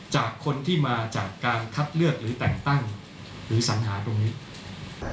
จากคนที่มาจากการคัดเลือกหรือแต่งตั้งหรือสัญหาตรงนี้แต่